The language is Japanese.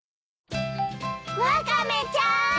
ワカメちゃーん！